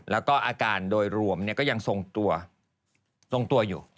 แล้วก็อาการโดยรวมก็ยังทรงตัวทรงตัวอยู่